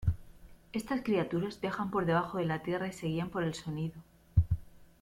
Estas criaturas viajan por debajo de la tierra y se guían por el sonido.